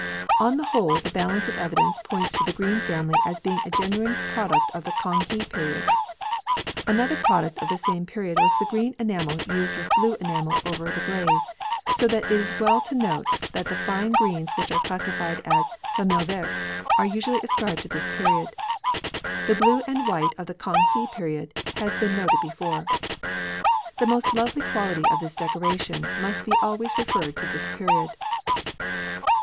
On the whole the balance of evidence points to the green family as being a genuine product of the Kang he period. Another product of the same period was the green enamel used with blue enamel over the glaze, so that it is well to note that the fine greens which are classified as "famille verte" are usually ascribed to this period. The blue and white of the Kang he period has been noted before. The most lovely quality of this decoration must be always referred to this period.